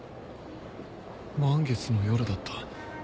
満月の夜だった。